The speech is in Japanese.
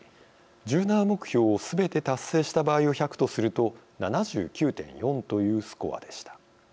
１７目標をすべて達成した場合を１００とすると７９．４というスコアでした。